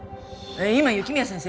今雪宮先生